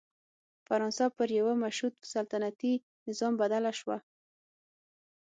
فرانسه پر یوه مشروط سلطنتي نظام بدله شوه.